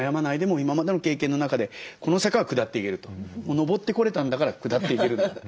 上ってこれたんだから下っていけるんだという。